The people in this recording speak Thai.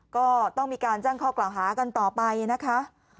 ก็ต้องมีการแจ้งข้อกล่าวหากันต่อไปนะคะ